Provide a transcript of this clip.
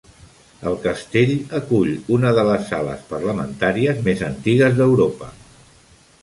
El castell acull una de les sales parlamentàries més antigues d'Europa.